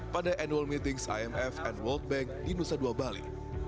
pada annual meetings imf dan world bank di nusa dua bali